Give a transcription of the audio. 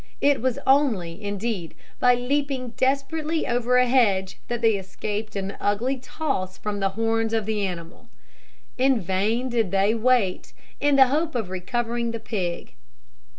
It was only, indeed, by leaping desperately over a hedge, that they escaped an ugly toss from the horns of the animal. In vain did they wait, in the hope of recovering the pig.